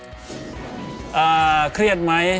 อ่าเครียดมั้ย